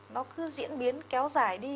nó cứ diễn biến kéo dài đi